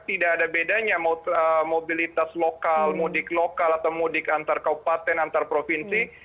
tidak ada bedanya mobilitas lokal mudik lokal atau mudik antar kaupaten antar provinsi